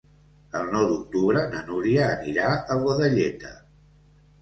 El nou d'octubre na Núria anirà a Godelleta.